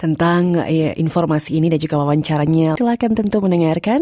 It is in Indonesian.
tentang informasi ini dan juga wawancaranya silahkan tentu mendengarkan